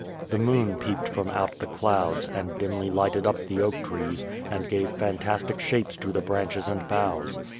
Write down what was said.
The moon peeped from out the clouds, and dimly lighted up the oak trees, and gave fantastic shapes to the branches and boughs.